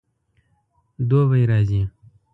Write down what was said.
دوبی راځي